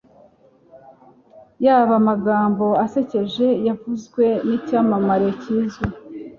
Yaba amagambo asekeje yavuzwe nicyamamare kizwi,